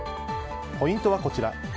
ポイントはこちら。